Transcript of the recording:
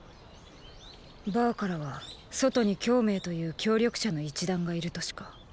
バァからは外に羌明という協力者の一団がいるとしか。